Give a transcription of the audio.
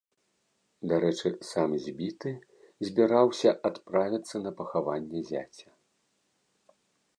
Дарэчы, сам збіты збіраўся адправіцца на пахаванне зяця.